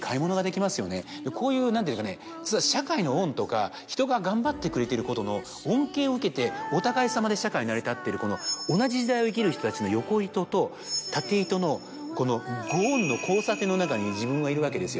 こういう何ていうんですかね。を受けてお互いさまで社会に成り立ってるこの同じ時代を生きる人たちの横糸と縦糸のこのご恩の交差点の中に自分はいるわけですよ。